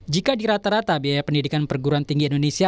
jika di rata rata biaya pendidikan perguruan tinggi indonesia